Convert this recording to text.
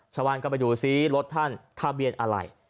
ชาวบ้านก็ไปดูซิรถท่านทะเบียนอะไร